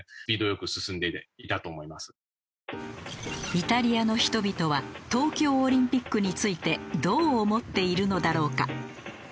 イタリアの人々は東京オリンピックについてどう思っているのだろうか？